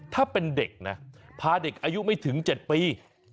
ถ้าเป็นเด็กนะพาเด็กอายุไม่ถึง๗ปี